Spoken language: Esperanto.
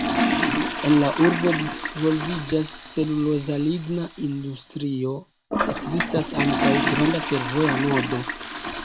En la urbo disvolviĝas celuloza–ligna industrio, ekzistas ankaŭ granda fervoja nodo.